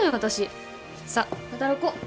さあ働こう。